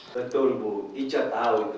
betul bu ticat tahu itu